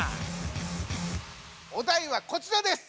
お題はこちらです！